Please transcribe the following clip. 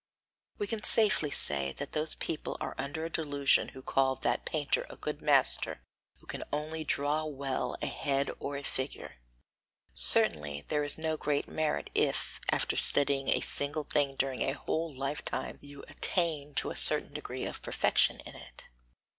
31. We can safely say that those people are under a delusion who call that painter a good master who can only draw well a head or a figure. Certainly there is no great merit if, after studying a single thing during a whole lifetime, you attain to a certain degree of perfection in it.